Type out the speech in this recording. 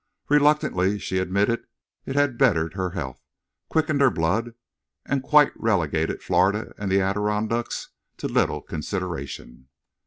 Reluctantly she admitted it had bettered her health, quickened her blood, and quite relegated Florida and the Adirondacks, to little consideration.